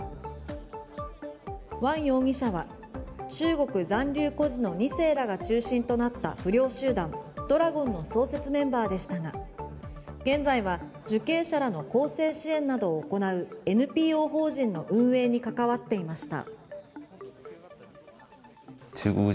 ワン容疑者は中国残留孤児の２世らが中心となった不良集団、怒羅権の創設メンバーでしたが現在は受刑者の更生支援などを行うＮＰＯ法人の運営に関わっていました。